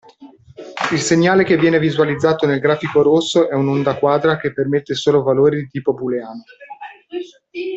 Il segnale che viene visualizzato nel grafico rosso è un'onda quadra che permette solo valori di tipo booleano.